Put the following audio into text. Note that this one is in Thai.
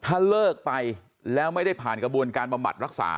ถ้าเลิกไปแล้วไม่ได้ผ่านกระบวนการบำบัดรักษา